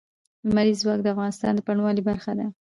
لمریز ځواک د افغانستان د بڼوالۍ برخه ده.